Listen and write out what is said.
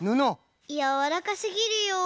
やわらかすぎるよ。